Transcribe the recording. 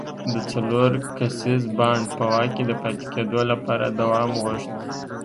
د څلور کسیز بانډ په واک کې د پاتې کېدو لپاره دوام غوښت.